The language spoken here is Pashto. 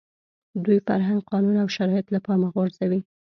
دوی فرهنګ، قانون او شرایط له پامه غورځوي.